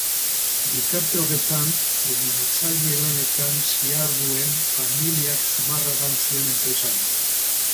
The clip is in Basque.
Bitarte horretan delineatzaile lanetan ziharduen familiak Zumarragan zuen enpresan.